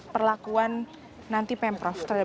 perlakuan nanti pemprov terhadap